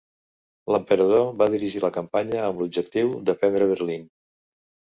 L'Emperador va dirigir la campanya amb l'objectiu de prendre Berlín.